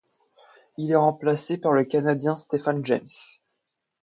Il est remplacé par le Canadien Stephan James.